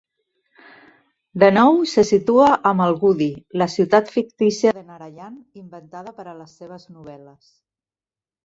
De nou se situa a Malgudi, la ciutat fictícia de Narayan inventada per a les seves novel·les.